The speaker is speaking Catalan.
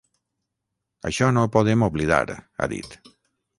Això no ho podem oblidar, ha dit.